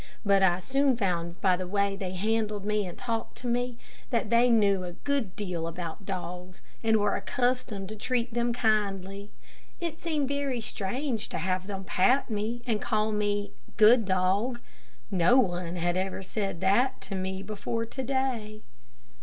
But I soon found by the way they handled me and talked to me, that they knew a good deal about dogs, and were accustomed to treat them kindly. It seemed very strange to have them pat me, and call me "good dog." No one had ever said that to me before to day.